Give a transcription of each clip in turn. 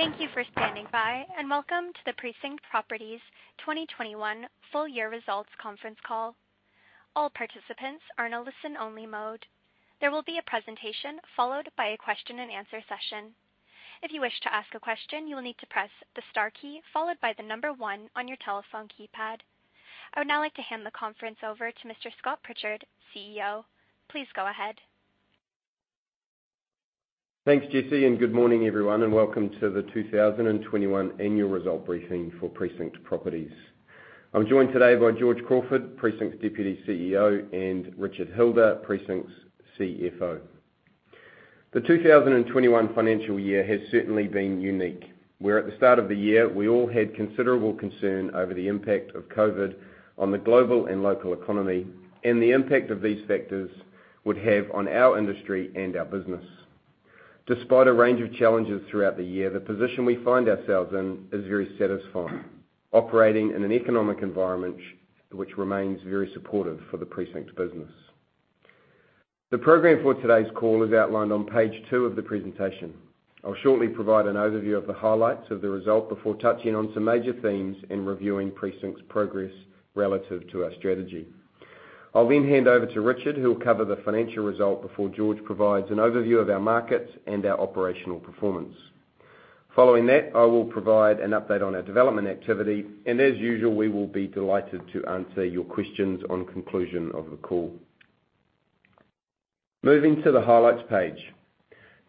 Thank you for standing by, Welcome to the Precinct Properties 2021 Full Year Results Conference Call. All participants are in a listen-only mode. There will be a presentation followed by a question and answer session. If you wish to ask a question, you will need to press the star key followed by one on your telephone keypad. I would now like to hand the conference over to Mr. Scott Pritchard, CEO. Please go ahead. Thanks, Jesse, and good morning, everyone, and welcome to the 2021 annual result briefing for Precinct Properties. I'm joined today by George Crawford, Precinct's Deputy CEO, and Richard Hilder, Precinct's CFO. The 2021 financial year has certainly been unique, where at the start of the year, we all had considerable concern over the impact of COVID on the global and local economy and the impact of these factors would have on our industry and our business. Despite a range of challenges throughout the year, the position we find ourselves in is very satisfying, operating in an economic environment which remains very supportive for the Precinct business. The program for today's call is outlined on page two of the presentation. I'll shortly provide an overview of the highlights of the result before touching on some major themes and reviewing Precinct's progress relative to our strategy. I'll then hand over to Richard, who'll cover the financial result before George provides an overview of our markets and our operational performance. I will provide an update on our development activity, and as usual, we will be delighted to answer your questions on conclusion of the call. Moving to the highlights page.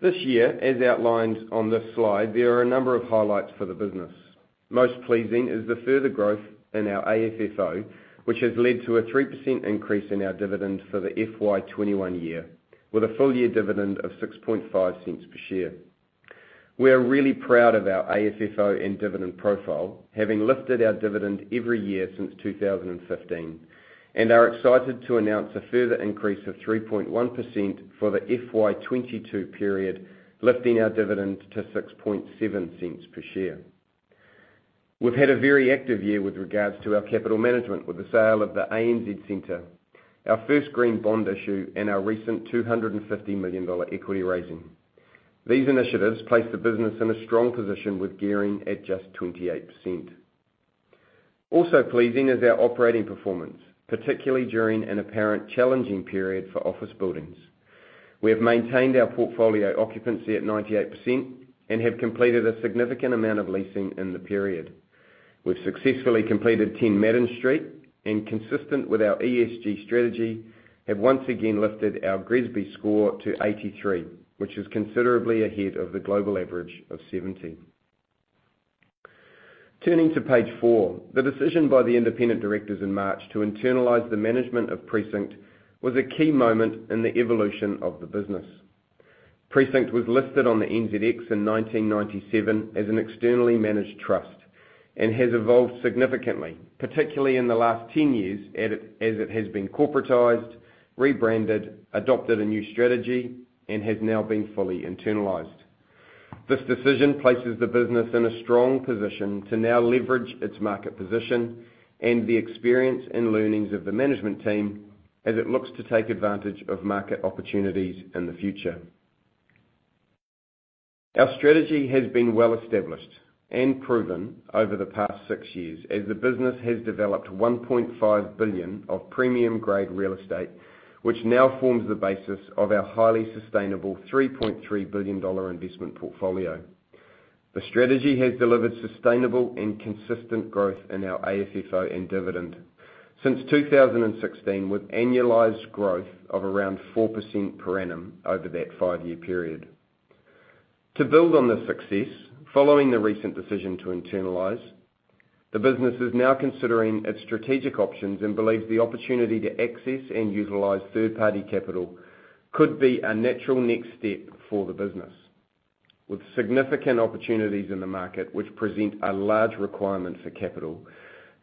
This year, as outlined on this slide, there are a number of highlights for the business. Most pleasing is the further growth in our AFFO, which has led to a 3% increase in our dividend for the FY21 year, with a full-year dividend of 0.065 per share. We are really proud of our AFFO and dividend profile, having lifted our dividend every year since 2015, and are excited to announce a further increase of 3.1% for the FY22 period, lifting our dividend to 0.067 per share. We've had a very active year with regards to our capital management with the sale of the ANZ Centre, our first green bond issue, and our recent 250 million dollar equity raising. These initiatives place the business in a strong position with gearing at just 28%. Also pleasing is our operating performance, particularly during an apparent challenging period for office buildings. We have maintained our portfolio occupancy at 98% and have completed a significant amount of leasing in the period. We've successfully completed 10 Madden Street, and consistent with our ESG strategy, have once again lifted our GRESB score to 83, which is considerably ahead of the global average of 70. Turning to page four, the decision by the independent directors in March to internalize the management of Precinct was a key moment in the evolution of the business. Precinct Properties was listed on the NZX in 1997 as an externally managed trust and has evolved significantly, particularly in the last 10 years as it has been corporatized, rebranded, adopted a new strategy, and has now been fully internalized. This decision places the business in a strong position to now leverage its market position and the experience and learnings of the management team as it looks to take advantage of market opportunities in the future. Our strategy has been well established and proven over the past six years as the business has developed 1.5 billion of premium-grade real estate, which now forms the basis of our highly sustainable 3.3 billion dollar investment portfolio. The strategy has delivered sustainable and consistent growth in our AFFO and dividend since 2016, with annualized growth of around 4% per annum over that five-year period. To build on this success, following the recent decision to internalize, the business is now considering its strategic options and believes the opportunity to access and utilize third-party capital could be a natural next step for the business. With significant opportunities in the market which present a large requirement for capital,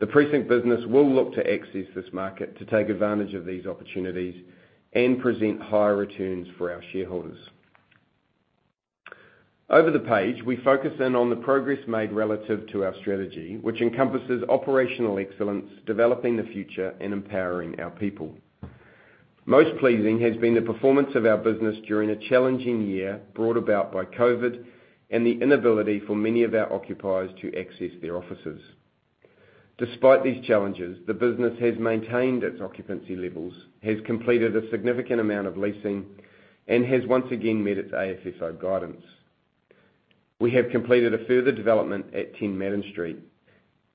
the Precinct business will look to access this market to take advantage of these opportunities and present higher returns for our shareholders. Over the page, we focus in on the progress made relative to our strategy, which encompasses operational excellence, developing the future, and empowering our people. Most pleasing has been the performance of our business during a challenging year brought about by COVID and the inability for many of our occupiers to access their offices. Despite these challenges, the business has maintained its occupancy levels, has completed a significant amount of leasing, and has once again met its AFFO guidance. We have completed a further development at 10 Madden Street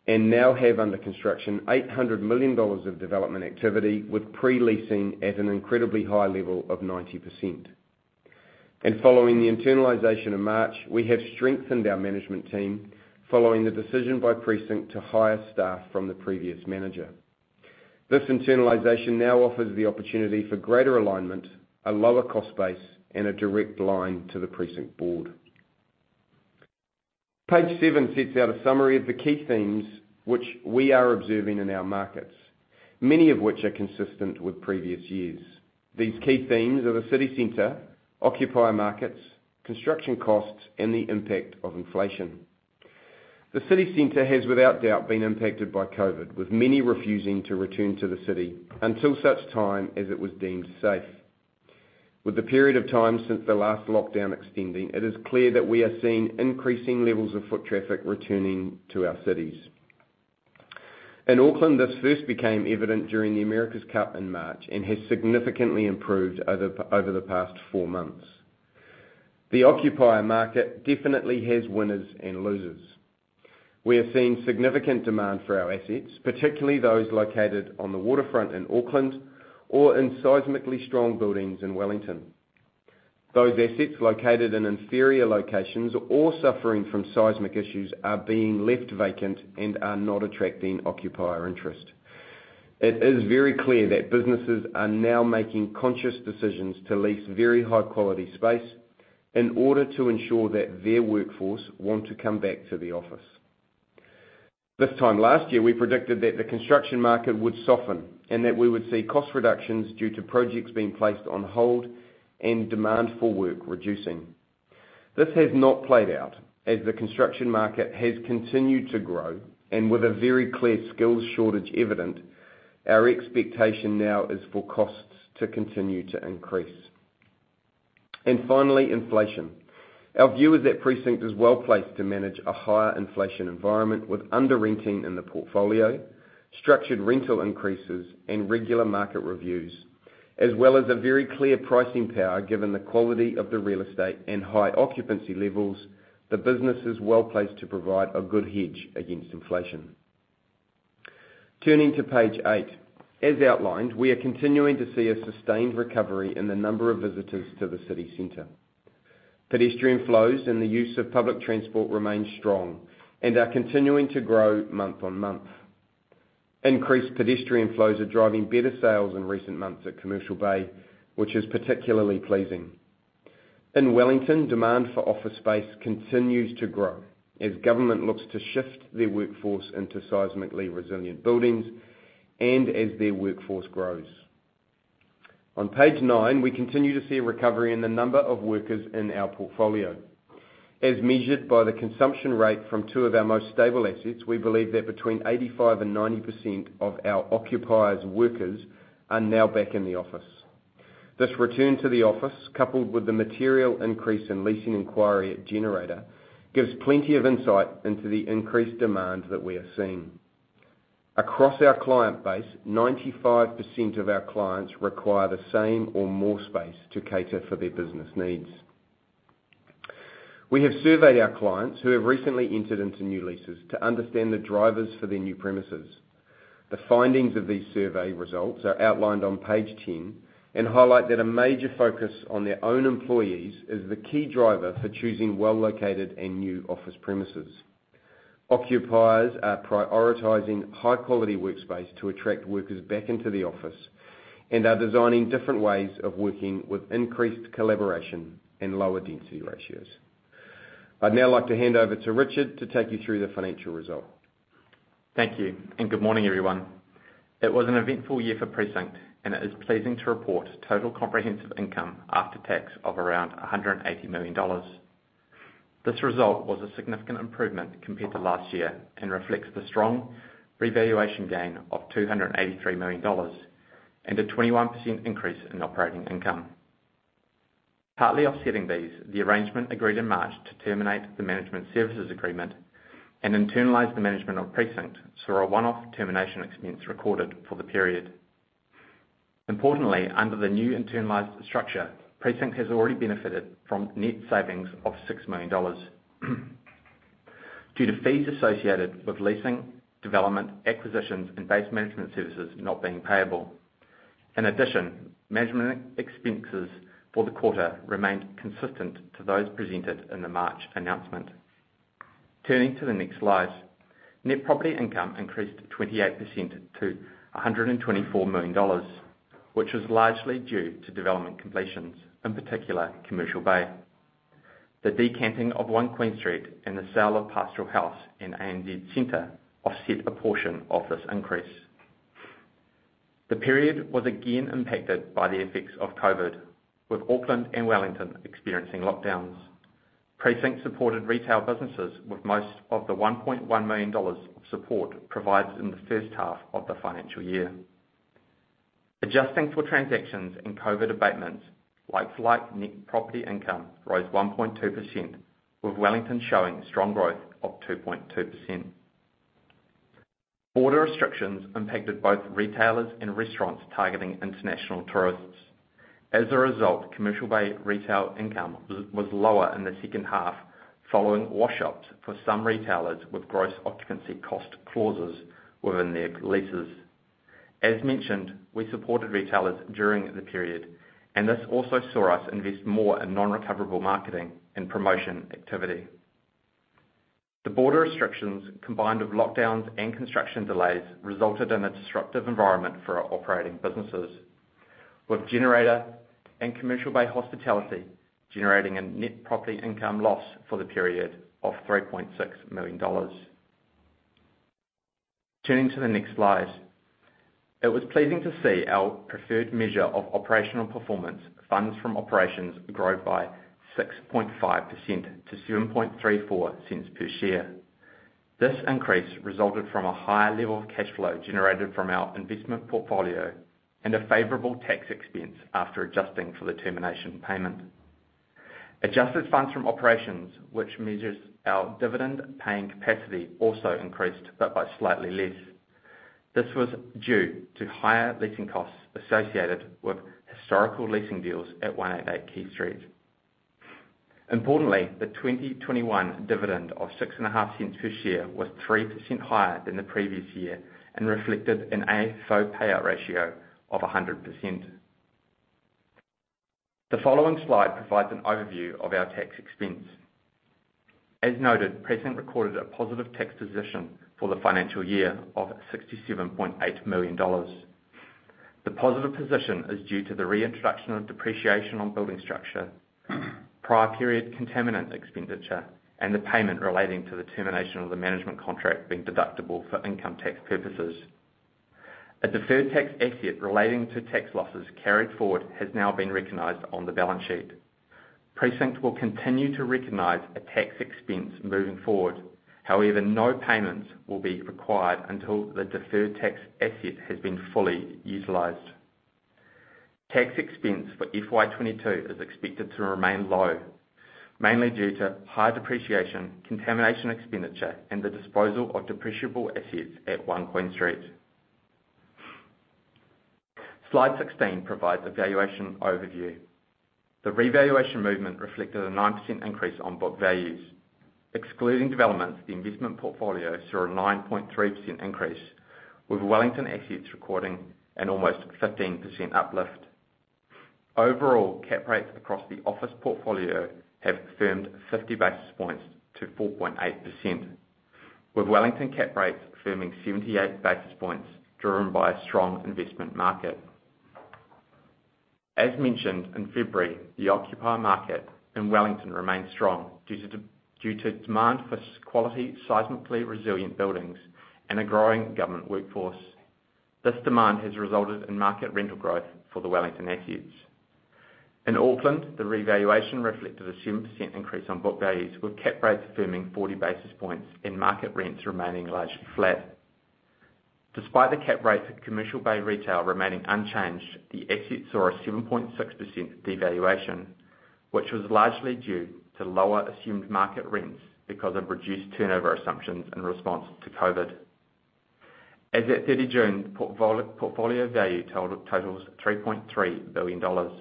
and now have under construction 800 million dollars of development activity, with pre-leasing at an incredibly high level of 90%. Following the internalization in March, we have strengthened our management team following the decision by Precinct to hire staff from the previous manager. This internalization now offers the opportunity for greater alignment, a lower cost base, and a direct line to the Precinct board. Page seven sets out a summary of the key themes which we are observing in our markets, many of which are consistent with previous years. These key themes are the city center, occupier markets, construction costs, and the impact of inflation. The city center has without doubt been impacted by COVID, with many refusing to return to the city until such time as it was deemed safe. With the period of time since the last lockdown extending, it is clear that we are seeing increasing levels of foot traffic returning to our cities. In Auckland, this first became evident during the America's Cup in March and has significantly improved over the past four months. The occupier market definitely has winners and losers. We are seeing significant demand for our assets, particularly those located on the waterfront in Auckland or in seismically strong buildings in Wellington. Those assets located in inferior locations or suffering from seismic issues are being left vacant and are not attracting occupier interest. It is very clear that businesses are now making conscious decisions to lease very high-quality space in order to ensure that their workforce want to come back to the office. This time last year, we predicted that the construction market would soften and that we would see cost reductions due to projects being placed on hold and demand for work reducing. This has not played out as the construction market has continued to grow and with a very clear skills shortage evident, our expectation now is for costs to continue to increase. Finally, inflation. Our view is that Precinct is well-placed to manage a higher inflation environment with under-renting in the portfolio, structured rental increases and regular market reviews, as well as a very clear pricing power given the quality of the real estate and high occupancy levels, the business is well-placed to provide a good hedge against inflation. Turning to page eight. As outlined, we are continuing to see a sustained recovery in the number of visitors to the city center. Pedestrian flows and the use of public transport remain strong and are continuing to grow month-on-month. Increased pedestrian flows are driving better sales in recent months at Commercial Bay, which is particularly pleasing. In Wellington, demand for office space continues to grow as government looks to shift their workforce into seismically resilient buildings and as their workforce grows. On page nine, we continue to see a recovery in the number of workers in our portfolio. As measured by the consumption rate from two of our most stable assets, we believe that between 85% and 90% of our occupiers' workers are now back in the office. This return to the office, coupled with the material increase in leasing inquiry at Generator, gives plenty of insight into the increased demand that we are seeing. Across our client base, 95% of our clients require the same or more space to cater for their business needs. We have surveyed our clients who have recently entered into new leases to understand the drivers for their new premises. The findings of these survey results are outlined on page 10 and highlight that a major focus on their own employees is the key driver for choosing well-located and new office premises. Occupiers are prioritizing high-quality workspace to attract workers back into the office and are designing different ways of working with increased collaboration and lower density ratios. I'd now like to hand over to Richard to take you through the financial result. Thank you. Good morning, everyone. It was an eventful year for Precinct, and it is pleasing to report total comprehensive income after tax of around 180 million dollars. This result was a significant improvement compared to last year and reflects the strong revaluation gain of 283 million dollars and a 21% increase in operating income. Partly offsetting these, the arrangement agreed in March to terminate the management services agreement and internalize the management of Precinct saw a one-off termination expense recorded for the period. Importantly, under the new internalized structure, Precinct has already benefited from net savings of 6 million dollars due to fees associated with leasing, development, acquisitions, and base management services not being payable. Management expenses for the quarter remained consistent to those presented in the March announcement. Turning to the next slides. Net property income increased 28% to 124 million dollars, which was largely due to development completions, in particular, Commercial Bay. The decanting of 1 Queen Street and the sale of Pastoral House and ANZ Centre offset a portion of this increase. The period was again impacted by the effects of COVID, with Auckland and Wellington experiencing lockdowns. Precinct supported retail businesses with most of the 1.1 million dollars of support provided in the first half of the financial year. Adjusting for transactions and COVID abatements, like-for-like net property income rose 1.2%, with Wellington showing strong growth of 2.2%. Border restrictions impacted both retailers and restaurants targeting international tourists. As a result, Commercial Bay retail income was lower in the second half, following wash-ups for some retailers with gross occupancy cost clauses within their leases. As mentioned, we supported retailers during the period, and this also saw us invest more in non-recoverable marketing and promotion activity. The border restrictions, combined with lockdowns and construction delays, resulted in a disruptive environment for our operating businesses, with Generator and Commercial Bay Hospitality generating a net property income loss for the period of 3.6 million dollars. Turning to the next slides, it was pleasing to see our preferred measure of operational performance, funds from operations, grow by 6.5% to 0.0734 per share. This increase resulted from a higher level of cash flow generated from our investment portfolio and a favorable tax expense after adjusting for the termination payment. Adjusted funds from operations, which measures our dividend paying capacity, also increased, but by slightly less. This was due to higher leasing costs associated with historical leasing deals at 188 Quay Street. The 2021 dividend of 0.065 per share was 3% higher than the previous year and reflected an AFFO payout ratio of 100%. The following slide provides an overview of our tax expense. As noted, Precinct recorded a positive tax position for the financial year of NZD 67.8 million. The positive position is due to the reintroduction of depreciation on building structure, prior period contaminant expenditure, and the payment relating to the termination of the management contract being deductible for income tax purposes. A deferred tax asset relating to tax losses carried forward has now been recognized on the balance sheet. Precinct will continue to recognize a tax expense moving forward. No payments will be required until the deferred tax asset has been fully utilized. Tax expense for FY22 is expected to remain low, mainly due to high depreciation, contamination expenditure, and the disposal of depreciable assets at 1 Queen Street. Slide 16 provides a valuation overview. The revaluation movement reflected a 9% increase on book values. Excluding developments, the investment portfolio saw a 9.3% increase, with Wellington assets recording an almost 15% uplift. Overall, cap rates across the office portfolio have firmed 50 basis points to 4.8%, with Wellington cap rates firming 78 basis points driven by a strong investment market. As mentioned, in February, the occupier market in Wellington remained strong due to demand for quality, seismically resilient buildings and a growing government workforce. This demand has resulted in market rental growth for the Wellington assets. In Auckland, the revaluation reflected a 7% increase on book values, with cap rates firming 40 basis points and market rents remaining largely flat. Despite the cap rate for Commercial Bay retail remaining unchanged, the asset saw a 7.6% devaluation, which was largely due to lower assumed market rents because of reduced turnover assumptions in response to COVID. As at 30 June, the portfolio value totals 3.3 billion dollars,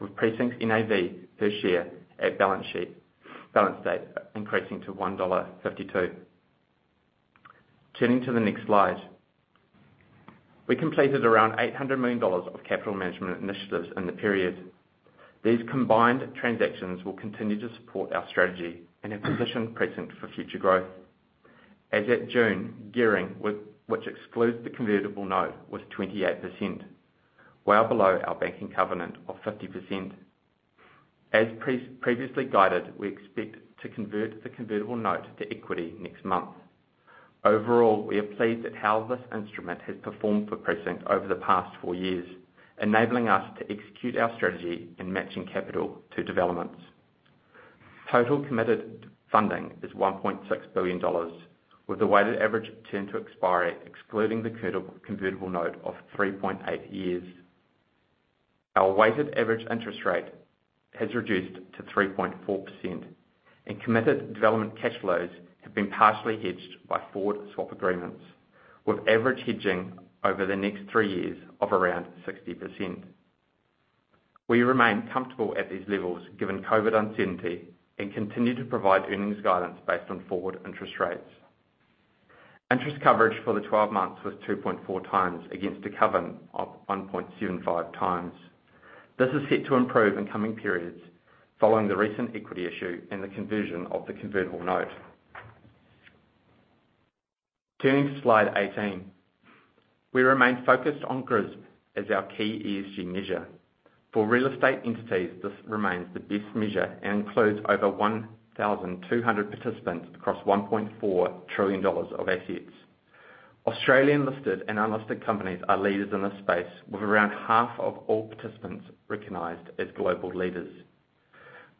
with Precinct's NAV per share at balance date increasing to 1.52 dollar. Turning to the next slide. We completed around 800 million dollars of capital management initiatives in the period. These combined transactions will continue to support our strategy and have positioned Precinct for future growth. As at June, gearing, which excludes the convertible note, was 28%, well below our banking covenant of 50%. As previously guided, we expect to convert the convertible note to equity next month. Overall, we are pleased at how this instrument has performed for Precinct over the past four years, enabling us to execute our strategy in matching capital to developments. Total committed funding is 1.6 billion dollars, with the weighted average term to expiry excluding the convertible note of 3.8 years. Our weighted average interest rate has reduced to 3.4%. Committed development cash flows have been partially hedged by forward swap agreements, with average hedging over the next three years of around 60%. We remain comfortable at these levels given COVID uncertainty and continue to provide earnings guidance based on forward interest rates. Interest coverage for the 12 months was 2.4 times against a covenant of 1.75 times. This is set to improve in coming periods following the recent equity issue and the conversion of the convertible note. Turning to slide 18. We remain focused on GRESB as our key ESG measure. For real estate entities, this remains the best measure and includes over 1,200 participants across 1.4 trillion dollars of assets. Australian listed and unlisted companies are leaders in this space, with around half of all participants recognized as global leaders.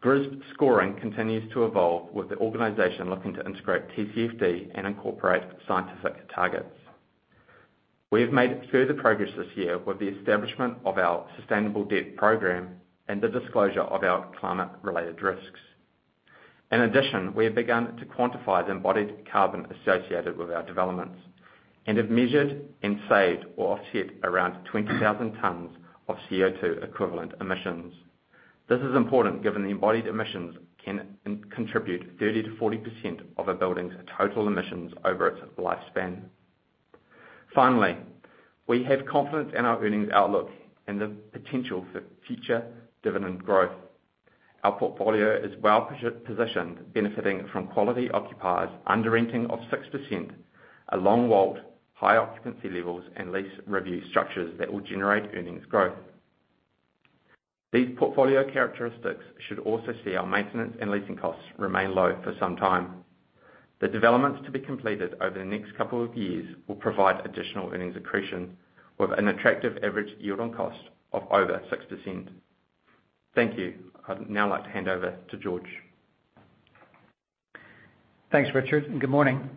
GRESB scoring continues to evolve, with the organization looking to integrate TCFD and incorporate scientific targets. We have made further progress this year with the establishment of our sustainable debt program and the disclosure of our climate-related risks. In addition, we have begun to quantify the embodied carbon associated with our developments and have measured and saved or offset around 20,000 tonnes of CO2 equivalent emissions. This is important given the embodied emissions can contribute 30%-40% of a building's total emissions over its lifespan. Finally, we have confidence in our earnings outlook and the potential for future dividend growth. Our portfolio is well-positioned, benefiting from quality occupiers under renting of 6%, a long WALT, high occupancy levels, and lease review structures that will generate earnings growth. These portfolio characteristics should also see our maintenance and leasing costs remain low for some time. The developments to be completed over the next couple of years will provide additional earnings accretion with an attractive average yield on cost of over 6%. Thank you. I'd now like to hand over to George. Thanks, Richard, and good morning.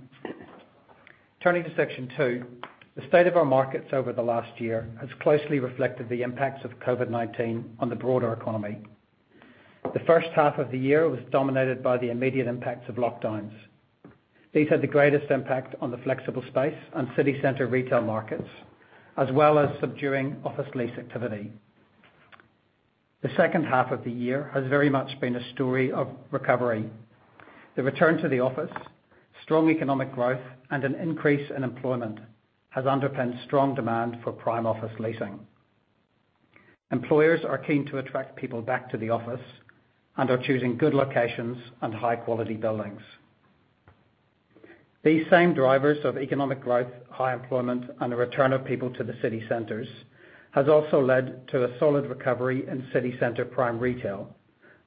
Turning to section two, the state of our markets over the last year has closely reflected the impacts of COVID-19 on the broader economy. The first half of the year was dominated by the immediate impacts of lockdowns. These had the greatest impact on the flexible space and city center retail markets, as well as subduing office lease activity. The second half of the year has very much been a story of recovery. The return to the office, strong economic growth, and an increase in employment, has underpinned strong demand for prime office leasing. Employers are keen to attract people back to the office and are choosing good locations and high-quality buildings. These same drivers of economic growth, high employment, and a return of people to the city centers, has also led to a solid recovery in city center prime retail,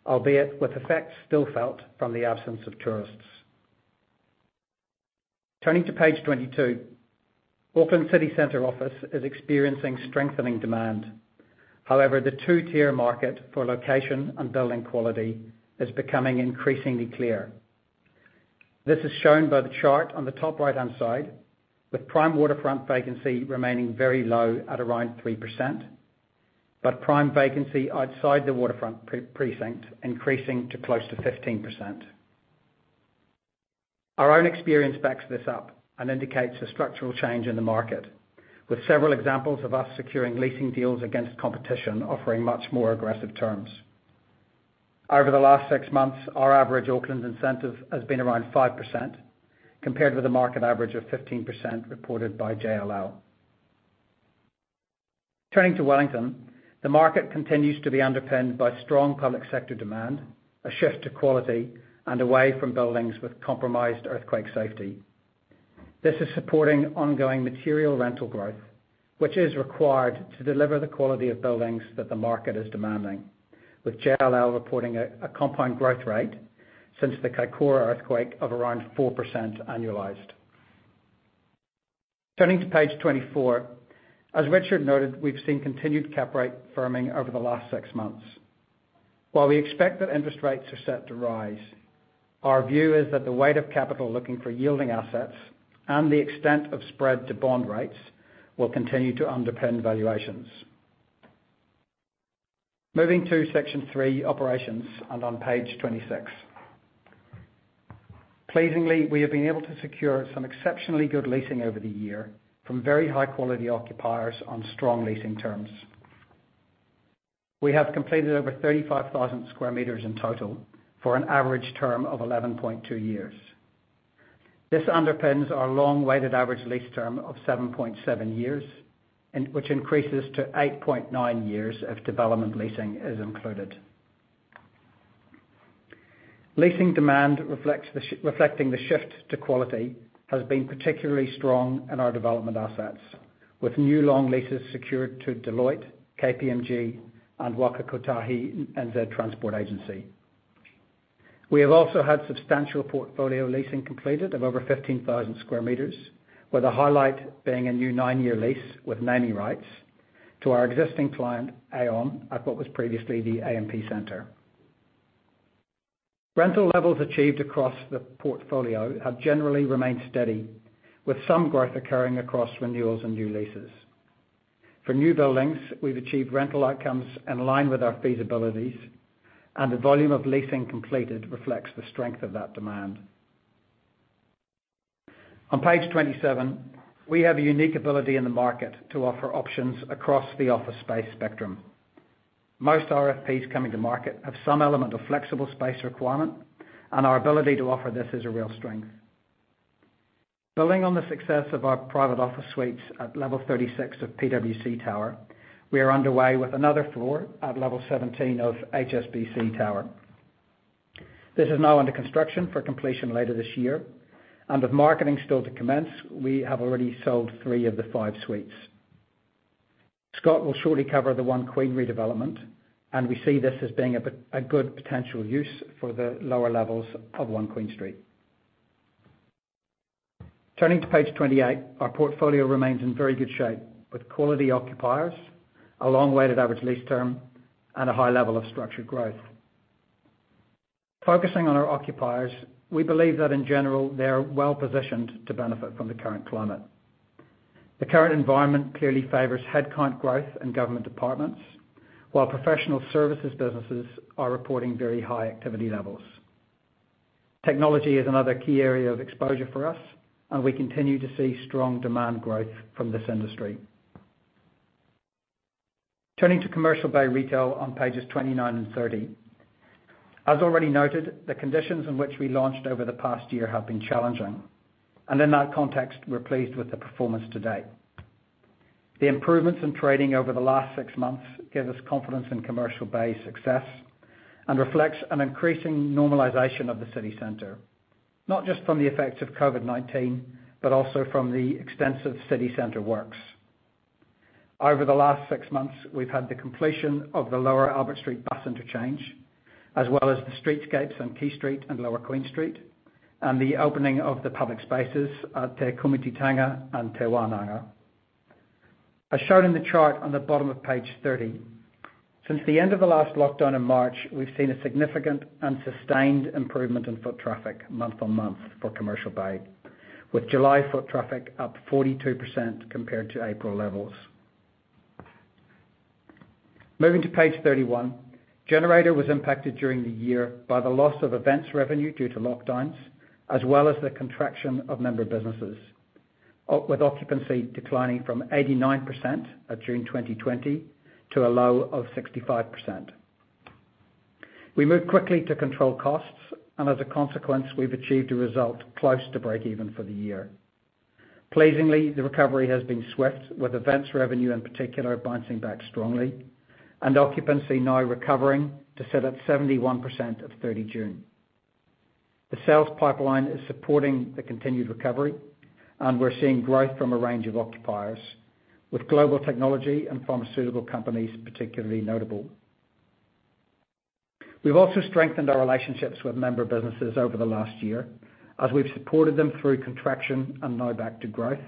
albeit with effects still felt from the absence of tourists. Turning to page 22. Auckland city center office is experiencing strengthening demand. The two-tier market for location and building quality is becoming increasingly clear. This is shown by the chart on the top right-hand side, with prime waterfront vacancy remaining very low at around 3%, but prime vacancy outside the waterfront precinct increasing to close to 15%. Our own experience backs this up and indicates a structural change in the market, with several examples of us securing leasing deals against competition offering much more aggressive terms. Over the last 6 months, our average Auckland incentive has been around 5%, compared with the market average of 15% reported by JLL. Turning to Wellington, the market continues to be underpinned by strong public sector demand, a shift to quality, and away from buildings with compromised earthquake safety. This is supporting ongoing material rental growth, which is required to deliver the quality of buildings that the market is demanding, with JLL reporting a compound growth rate since the Kaikoura earthquake of around 4% annualized. Turning to page 24. As Richard noted, we've seen continued cap rate firming over the last six months. While we expect that interest rates are set to rise, our view is that the weight of capital looking for yielding assets and the extent of spread to bond rates, will continue to underpin valuations. Moving to section three, operations, and on page 26. Pleasingly, we have been able to secure some exceptionally good leasing over the year from very high-quality occupiers on strong leasing terms. We have completed over 35,000 sqm in total for an average term of 11.2 years. This underpins our long-weighted average lease term of 7.7 years, which increases to 8.9 years if development leasing is included. Leasing demand, reflecting the shift to quality, has been particularly strong in our development assets, with new long leases secured to Deloitte, KPMG and Waka Kotahi NZ Transport Agency. We have also had substantial portfolio leasing completed of over 15,000 sqm, with a highlight being a new nine-year lease with naming rights to our existing client, Aon, at what was previously the ANZ Centre. Rental levels achieved across the portfolio have generally remained steady, with some growth occurring across renewals and new leases. For new buildings, we've achieved rental outcomes in line with our feasibilities, and the volume of leasing completed reflects the strength of that demand. On page 27, we have a unique ability in the market to offer options across the office space spectrum. Most RFPs coming to market have some element of flexible space requirement, and our ability to offer this is a real strength. Building on the success of our private office suites at level 36 of PwC Tower, we are underway with another floor at level 17 of HSBC Tower. This is now under construction for completion later this year, and with marketing still to commence, we have already sold three of the five suites. Scott will shortly cover the 1 Queen redevelopment, and we see this as being a good potential use for the lower levels of 1 Queen Street. Turning to page 28. Our portfolio remains in very good shape with quality occupiers, a long weighted average lease term, and a high level of structured growth. Focusing on our occupiers, we believe that in general, they are well-positioned to benefit from the current climate. The current environment clearly favors headcount growth in government departments, while professional services businesses are reporting very high activity levels. Technology is another key area of exposure for us, and we continue to see strong demand growth from this industry. Turning to Commercial Bay retail on pages 29 and 30. As already noted, the conditions in which we launched over the past year have been challenging, and in that context, we're pleased with the performance to date. The improvements in trading over the last six months give us confidence in Commercial Bay's success and reflects an increasing normalization of the city center, not just from the effects of COVID-19, but also from the extensive city center works. Over the last six months, we've had the completion of the Lower Albert Street bus interchange, as well as the streetscapes on Quay Street and Lower Queen Street, and the opening of the public spaces at Te Komititanga and Te Wānanga. As shown in the chart on the bottom of page 30, since the end of the last lockdown in March, we've seen a significant and sustained improvement in foot traffic month on month for Commercial Bay, with July foot traffic up 42% compared to April levels. Moving to page 31, Generator was impacted during the year by the loss of events revenue due to lockdowns, as well as the contraction of member businesses, with occupancy declining from 89% at June 2020 to a low of 65%. We moved quickly to control costs, and as a consequence, we've achieved a result close to break even for the year. Pleasingly, the recovery has been swift, with events revenue in particular bouncing back strongly, and occupancy now recovering to sit at 71% at 30 June. The sales pipeline is supporting the continued recovery, and we're seeing growth from a range of occupiers, with global technology and pharmaceutical companies particularly notable. We've also strengthened our relationships with member businesses over the last year as we've supported them through contraction and now back to growth,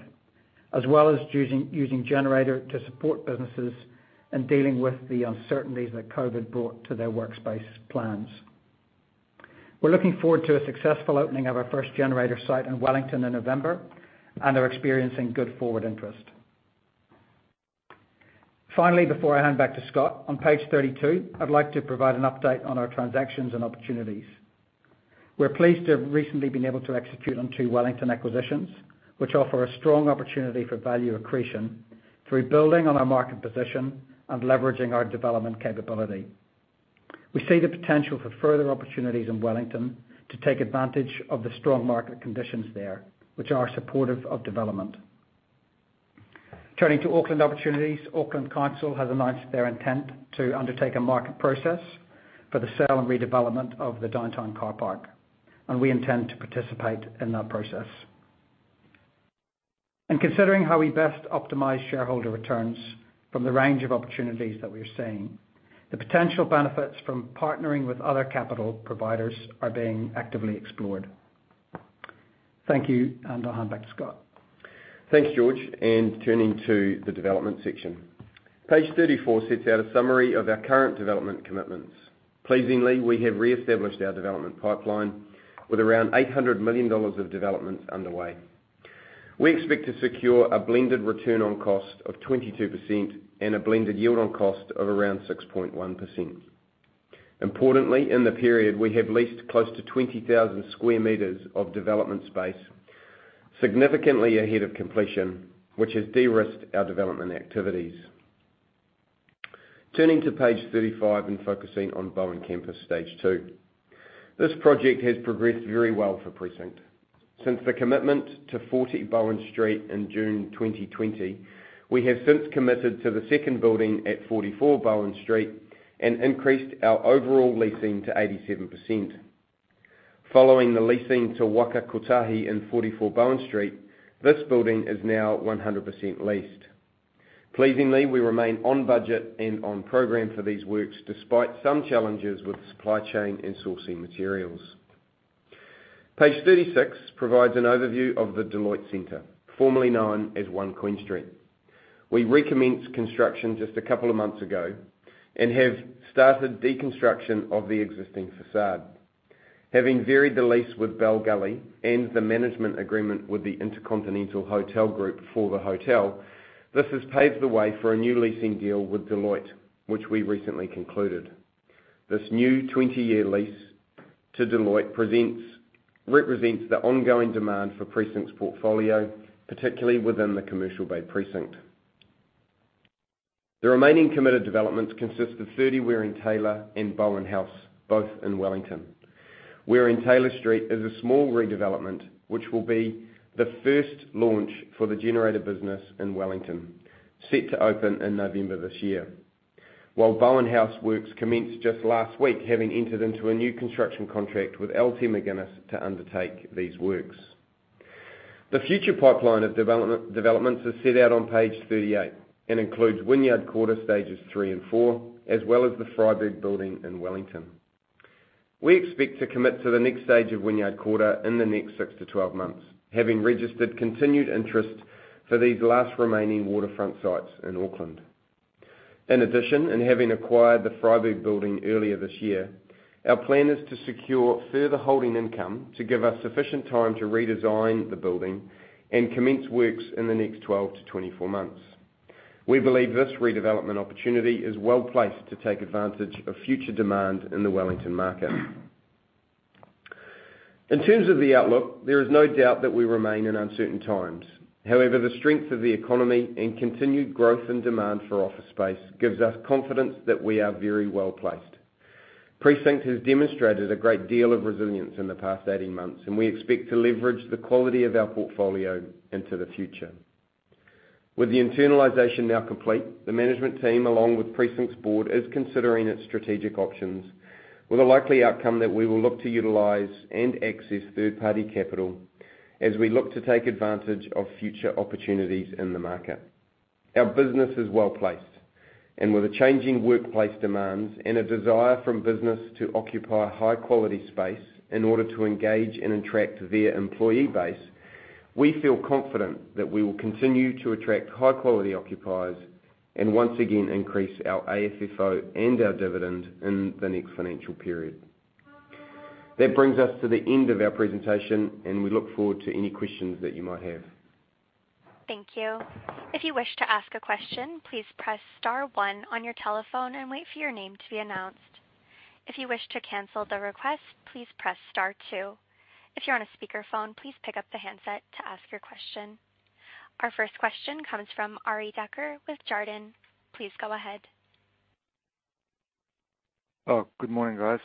as well as using Generator to support businesses in dealing with the uncertainties that COVID brought to their workspace plans. We're looking forward to a successful opening of our first Generator site in Wellington in November and are experiencing good forward interest. Finally, before I hand back to Scott, on page 32, I'd like to provide an update on our transactions and opportunities. We're pleased to have recently been able to execute on two Wellington acquisitions, which offer a strong opportunity for value accretion through building on our market position and leveraging our development capability. We see the potential for further opportunities in Wellington to take advantage of the strong market conditions there, which are supportive of development. Turning to Auckland opportunities, Auckland Council has announced their intent to undertake a market process for the sale and redevelopment of the downtown car park, and we intend to participate in that process. In considering how we best optimize shareholder returns from the range of opportunities that we are seeing, the potential benefits from partnering with other capital providers are being actively explored. Thank you, and I'll hand back to Scott. Thanks, George. Turning to the development section. Page 34 sets out a summary of our current development commitments. Pleasingly, we have reestablished our development pipeline with around 800 million dollars of developments underway. We expect to secure a blended return on cost of 22% and a blended yield on cost of around 6.1%. Importantly, in the period, we have leased close to 20,000 sqm of development space, significantly ahead of completion, which has de-risked our development activities. Turning to page 35 and focusing on Bowen Campus Stage two. This project has progressed very well for Precinct. Since the commitment to 40 Bowen Street in June 2020, we have since committed to the second building at 44 Bowen Street and increased our overall leasing to 87%. Following the leasing to Waka Kotahi in 44 Bowen Street, this building is now 100% leased. Pleasingly, we remain on budget and on program for these works, despite some challenges with supply chain and sourcing materials. Page 36 provides an overview of the Deloitte Centre, formerly known as 1 Queen Street. We recommenced construction just a couple of months ago and have started deconstruction of the existing facade. Having varied the lease with Bell Gully and the management agreement with the InterContinental Hotels Group for the hotel, this has paved the way for a new leasing deal with Deloitte, which we recently concluded. This new 20-year lease to Deloitte represents the ongoing demand for Precinct's portfolio, particularly within the Commercial Bay precinct. The remaining committed developments consist of 30 Waring Taylor and Bowen House, both in Wellington. Waring Taylor Street is a small redevelopment which will be the first launch for the Generator business in Wellington, set to open in November this year. While Bowen House works commenced just last week, having entered into a new construction contract with LT McGuinness to undertake these works. The future pipeline of developments is set out on page 38 and includes Wynyard Quarter stages III and IV, as well as the Freyberg Building in Wellington. We expect to commit to the next stage of Wynyard Quarter in the next 6-12 months, having registered continued interest for these last remaining waterfront sites in Auckland. In addition, in having acquired the Freyberg Building earlier this year, our plan is to secure further holding income to give us sufficient time to redesign the building and commence works in the next 12-24 months. We believe this redevelopment opportunity is well-placed to take advantage of future demand in the Wellington market. In terms of the outlook, there is no doubt that we remain in uncertain times. The strength of the economy and continued growth and demand for office space gives us confidence that we are very well-placed. Precinct has demonstrated a great deal of resilience in the past 18 months, and we expect to leverage the quality of our portfolio into the future. With the internalization now complete, the management team, along with Precinct's board, is considering its strategic options, with a likely outcome that we will look to utilize and access third-party capital as we look to take advantage of future opportunities in the market. Our business is well-placed, and with the changing workplace demands and a desire from business to occupy high-quality space in order to engage and attract their employee base, we feel confident that we will continue to attract high-quality occupiers and once again increase our AFFO and our dividend in the next financial period. That brings us to the end of our presentation, and we look forward to any questions that you might have. Thank you. If you wish to ask a question, please press star one on your telephone and wait for your name to be announced. If you wish to cancel the request, please press star two. If you are in the speaker phone, please pick up the handset to ask your question. Our first question comes from Arie Dekker with Jarden. Please go ahead. Oh, good morning, guys.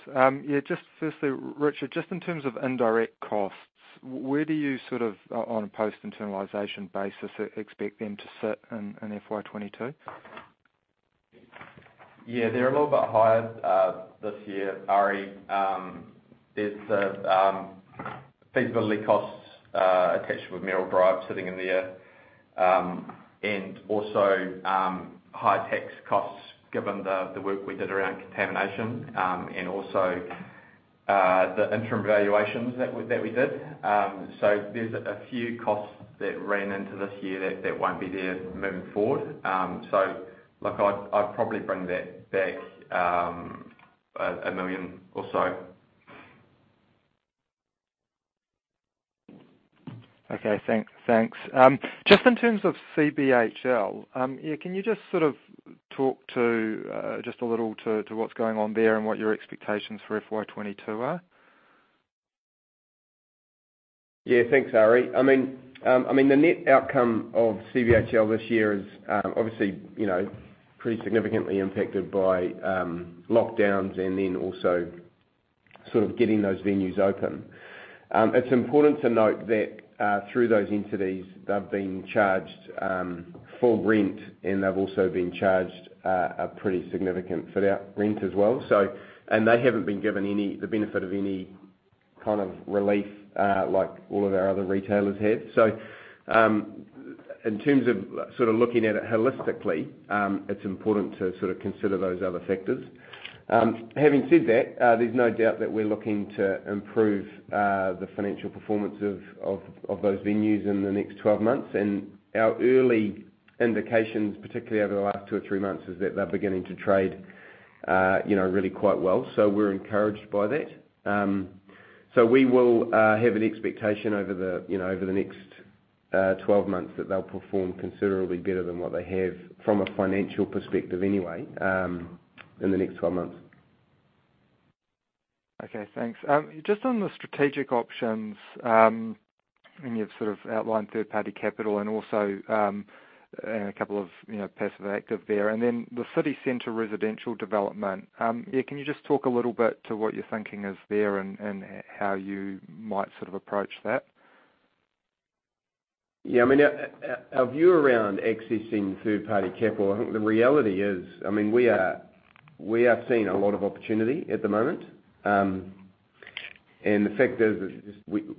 Yeah, just firstly, Richard, just in terms of indirect costs, where do you sort of, on a post-internalization basis, expect them to sit in FY22? Yeah, they're a little bit higher this year, Arie. There's feasibility costs attached with Merrill Drive sitting in there. Also, higher tax costs, given the work we did around contamination, and also the interim valuations that we did. There's a few costs that ran into this year that won't be there moving forward. I'd probably bring that back 1 million or so. Okay. Thanks. Just in terms of CBHL, can you just sort of talk to what's going on there and what your expectations for FY 2022 are? Thanks, Arie. The net outcome of CBHL this year is obviously pretty significantly impacted by lockdowns and also sort of getting those venues open. It's important to note that through those entities, they've been charged full rent, they've also been charged a pretty significant fit-out rent as well. They haven't been given the benefit of any kind of relief like all of our other retailers have. In terms of looking at it holistically, it's important to consider those other factors. Having said that, there's no doubt that we're looking to improve the financial performance of those venues in the next 12 months, our early indications, particularly over the last two or three months, is that they're beginning to trade really quite well. We're encouraged by that. We will have an expectation over the next 12 months that they'll perform considerably better than what they have from a financial perspective anyway, in the next 12 months. Okay, thanks. Just on the strategic options, you've sort of outlined third-party capital and also a couple of passive, active there, and then the city-centre residential development. Can you just talk a little bit to what your thinking is there and how you might sort of approach that? Yeah, our view around accessing third-party capital, I think the reality is we are seeing a lot of opportunity at the moment. The fact is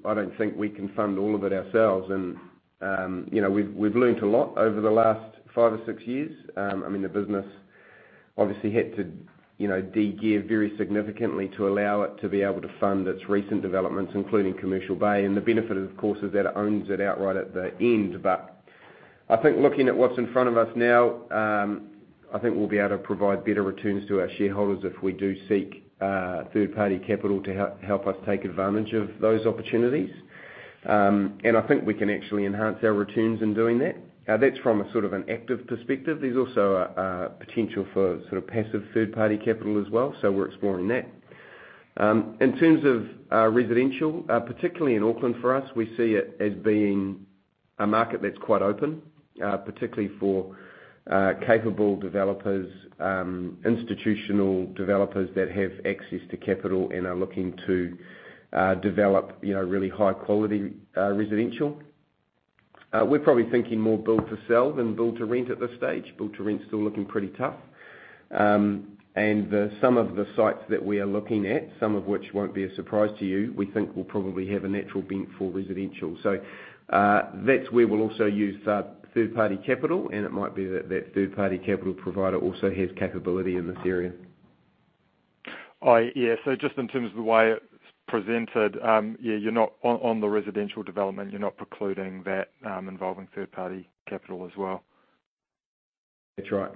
I don't think we can fund all of it ourselves. We've learnt a lot over the last five or six years. The business obviously had to de-gear very significantly to allow it to be able to fund its recent developments, including Commercial Bay. The benefit, of course, is that it owns it outright at the end. I think looking at what's in front of us now, I think we'll be able to provide better returns to our shareholders if we do seek third-party capital to help us take advantage of those opportunities. I think we can actually enhance our returns in doing that. That's from a sort of an active perspective. There's also a potential for sort of passive third-party capital as well, so we're exploring that. In terms of residential, particularly in Auckland for us, we see it as being a market that's quite open, particularly for capable developers, institutional developers that have access to capital and are looking to develop really high-quality residential. We're probably thinking more build to sell than build to rent at this stage. Build to rent's still looking pretty tough. Some of the sites that we are looking at, some of which won't be a surprise to you, we think will probably have a natural bent for residential. That's where we'll also use third-party capital, and it might be that that third-party capital provider also has capability in this area. Just in terms of the way it's presented, on the residential development, you're not precluding that involving third-party capital as well? That's right.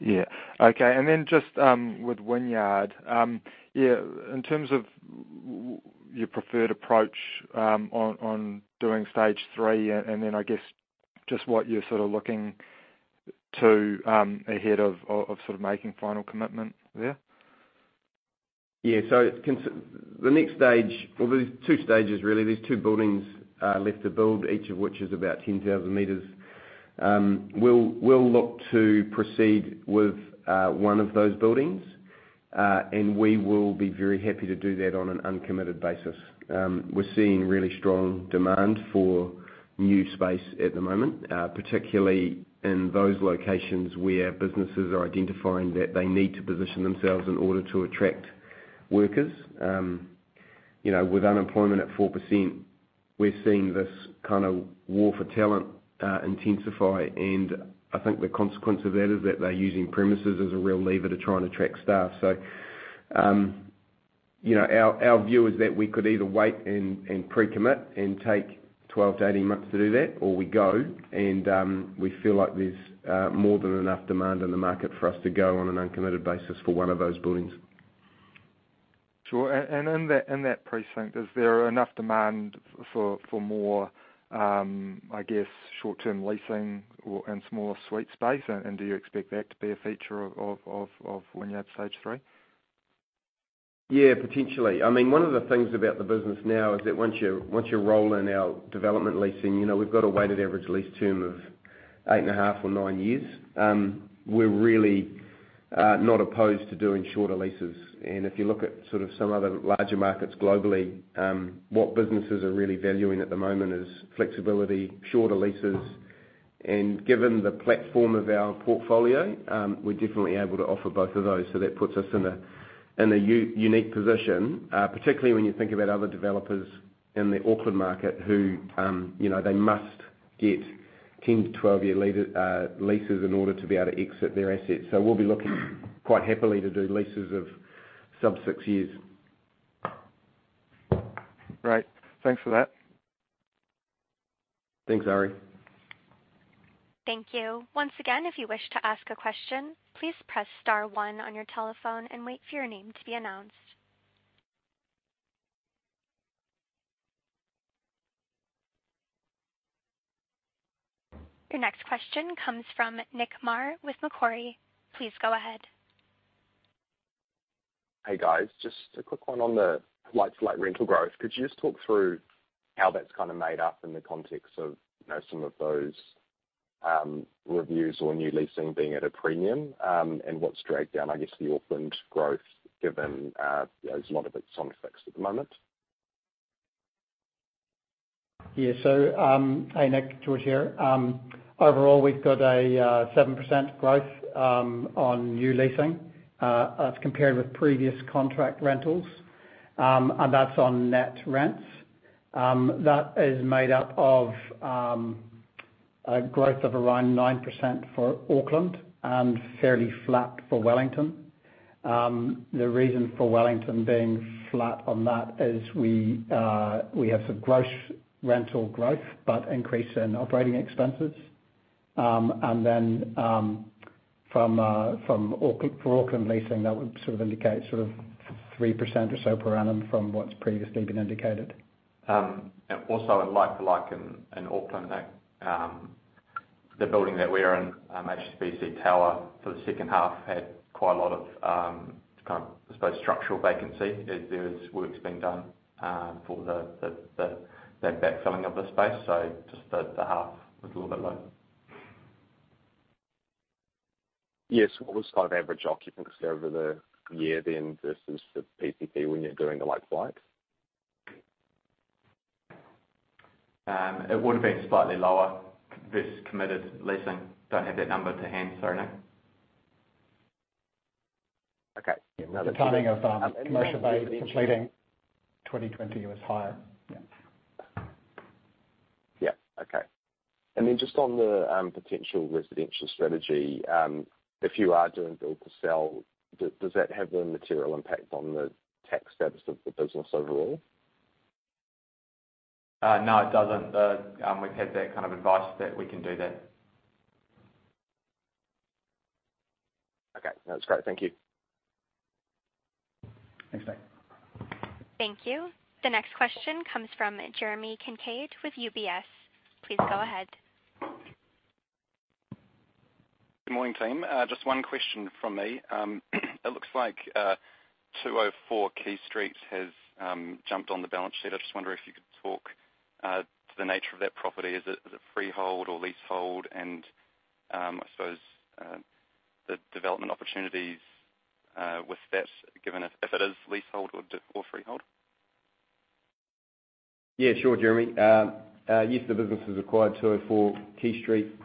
Yeah. Okay. Just with Wynyard, in terms of your preferred approach on doing stage three, and then I guess just what you're sort of looking to ahead of making final commitment there? The next stage, well, there's two stages really. There's two buildings left to build, each of which is about 10,000 meters. We'll look to proceed with one of those buildings. We will be very happy to do that on an uncommitted basis. We're seeing really strong demand for new space at the moment, particularly in those locations where businesses are identifying that they need to position themselves in order to attract workers. With unemployment at 4%, we're seeing this kind of war for talent intensify. I think the consequence of that is that they're using premises as a real lever to try and attract staff. Our view is that we could either wait and pre-commit and take 12 to 18 months to do that, or we go, and we feel like there's more than enough demand in the market for us to go on an uncommitted basis for one of those buildings. Sure. In that precinct, is there enough demand for more, I guess, short-term leasing or, and smaller suite space? Do you expect that to be a feature of when you have stage three? Potentially. One of the things about the business now is that once you roll in our development leasing, we've got a weighted average lease term of eight and a half or nine years. We're really not opposed to doing shorter leases. If you look at sort of some other larger markets globally, what businesses are really valuing at the moment is flexibility, shorter leases. Given the platform of our portfolio, we're definitely able to offer both of those. That puts us in a unique position, particularly when you think about other developers in the Auckland market who, they must get 10-12-year leases in order to be able to exit their assets. We'll be looking quite happily to do leases of sub-six years. Great. Thanks for that. Thanks, Arie. Thank you. Once again, if you wish to ask a question, please press star one on your telephone and wait for your name to be announced. Your next question comes from Nick Mar with Macquarie. Please go ahead. Hey, guys. Just a quick one on the like-to-like rental growth. Could you just talk through how that's kind of made up in the context of some of those reviews or new leasing being at a premium? What's dragged down, I guess, the Auckland growth given, a lot of it's on fixed at the moment? Yeah. Hey, Nick, George here. Overall, we've got a 7% growth on new leasing, as compared with previous contract rentals. That's on net rents. That is made up of a growth of around 9% for Auckland and fairly flat for Wellington. The reason for Wellington being flat on that is we have some gross rental growth but increase in operating expenses. For Auckland leasing, that would indicate 3% or so per annum from what's previously been indicated. Also in like-for-like in Auckland, the building that we are in, HSBC Tower for the second half had quite a lot of, I suppose, structural vacancy. There's works being done for the backfilling of the space. Just the half was a little bit low. Yes. What was kind of average occupancy over the year then versus the PCP when you're doing the like-for-likes? It would've been slightly lower versus committed leasing. Don't have that number to hand. Sorry, Nick. Okay. The timing of Commercial Bay completing 2020 was higher. Yeah. Okay. Just on the potential residential strategy, if you are doing build to sell, does that have a material impact on the tax status of the business overall? No, it doesn't. We've had that kind of advice that we can do that. Okay. No, that's great. Thank you. Thanks, Nick. Thank you. The next question comes from Jeremy Kincaid with UBS. Please go ahead. Good morning, team. Just one question from me. It looks like 204 Quay Street has jumped on the balance sheet. I just wonder if you could talk to the nature of that property. Is it freehold or leasehold? I suppose, the development opportunities with that, given if it is leasehold or freehold. Sure, Jeremy. Yes, the business has acquired 204 Quay Street.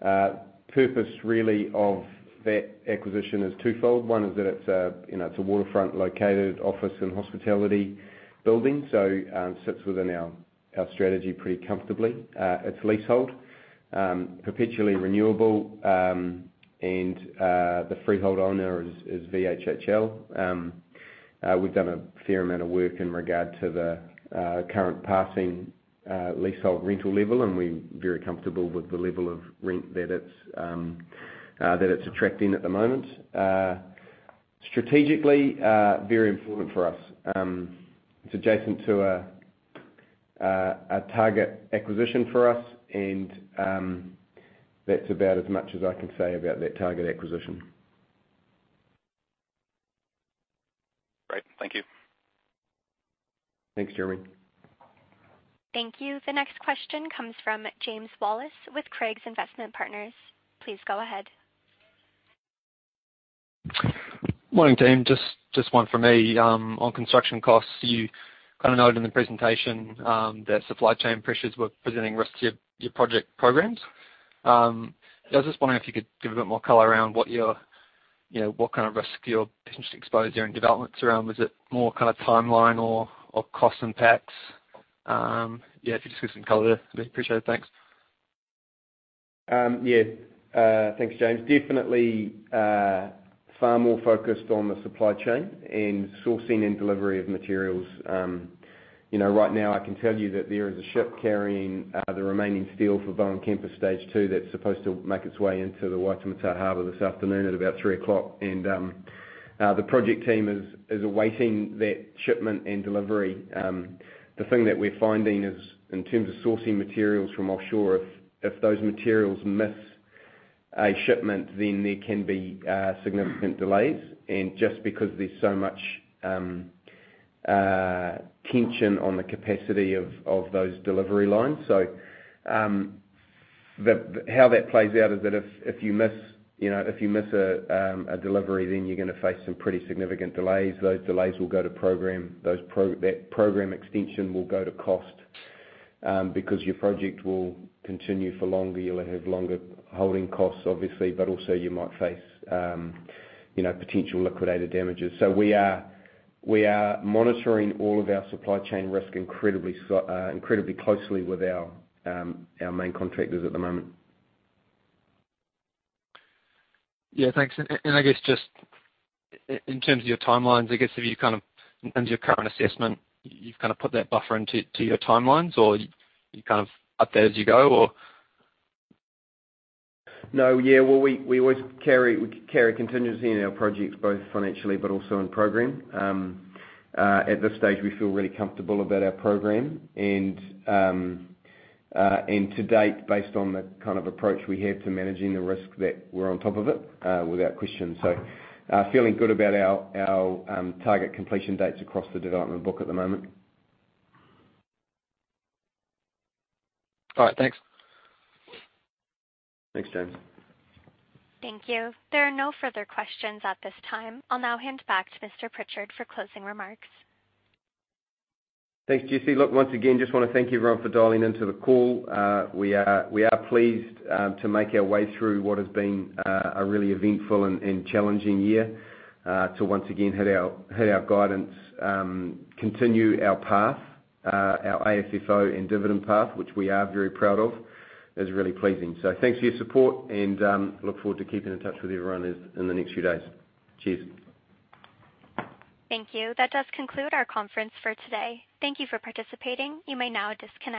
Purpose really of that acquisition is twofold. One is that it's a waterfront-located office and hospitality building, so sits within our strategy pretty comfortably. It's leasehold, perpetually renewable, and the freehold owner is VHHL. We've done a fair amount of work in regard to the current passing leasehold rental level, and we're very comfortable with the level of rent that it's attracting at the moment. Strategically, very important for us. It's adjacent to a target acquisition for us, and that's about as much as I can say about that target acquisition. Great. Thank you. Thanks, Jeremy. Thank you. The next question comes from James Wallace with Craigs Investment Partners. Please go ahead. Morning, team. Just one from me. On construction costs, you kind of noted in the presentation that supply chain pressures were presenting risks to your project programs. I was just wondering if you could give a bit more color around what kind of risk you're potentially exposed to in developments around, was it more timeline or cost impacts? Yeah, if you could just give some color there, I'd appreciate it. Thanks. Yeah. Thanks, James. Definitely far more focused on the supply chain and sourcing and delivery of materials. Right now I can tell you that there is a ship carrying the remaining steel for Bowen Campus stage two that's supposed to make its way into the Wellington harbor this afternoon at about 3:00 P.M. The project team is awaiting that shipment and delivery. The thing that we're finding is, in terms of sourcing materials from offshore, if those materials miss a shipment, then there can be significant delays, and just because there's so much tension on the capacity of those delivery lines. How that plays out is that if you miss a delivery, then you're going to face some pretty significant delays. Those delays will go to program. That program extension will go to cost because your project will continue for longer. You'll have longer holding costs, obviously, but also you might face potential liquidated damages. We are monitoring all of our supply chain risk incredibly closely with our main contractors at the moment. Yeah. Thanks. I guess just in terms of your timelines, I guess if you, in terms of your current assessment, you've put that buffer into your timelines, or you update as you go, or? No. Yeah. We always carry contingency in our projects, both financially but also in program. At this stage, we feel really comfortable about our program, and to date, based on the kind of approach we have to managing the risk, that we're on top of it, without question. Feeling good about our target completion dates across the development book at the moment. All right. Thanks. Thanks, James. Thank you. There are no further questions at this time. I'll now hand back to Mr. Pritchard for closing remarks. Thanks, Jesse. Look, once again, just want to thank everyone for dialing into the call. We are pleased to make our way through what has been a really eventful and challenging year. To once again hit our guidance, continue our path, our AFFO and dividend path, which we are very proud of, is really pleasing. Thanks for your support, and look forward to keeping in touch with everyone in the next few days. Cheers. Thank you. That does conclude our conference for today. Thank you for participating. You may now disconnect.